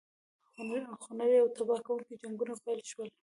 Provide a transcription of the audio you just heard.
خونړي او تباه کوونکي جنګونه پیل شول.